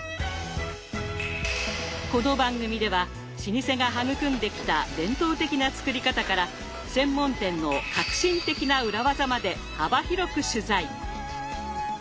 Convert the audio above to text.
この番組では老舗が育んできた伝統的な作り方から専門店の革新的な裏技まで幅広く取材。